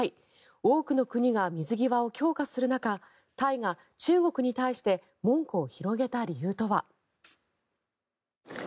多くの国が水際を強化する中タイが中国に対して門戸を広げた理由とは。